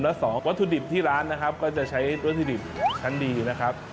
และ๒วัตถุดิบที่ร้านนะครับก็จะใช้วัตถุดิบชั้นดีนะครับ